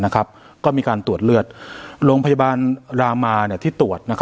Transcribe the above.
ก็มีการตรวจเลือดโรงพยาบาลรามาที่ตรวจ